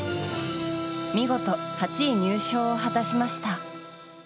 見事８位入賞を果たしました。